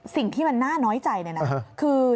สิ่งที่มันน่าน้อยใจคือ